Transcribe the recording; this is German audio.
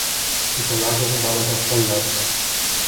Die Verlagerung war unter Volllast.